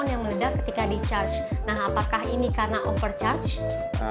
nah apakah ini karena overcharge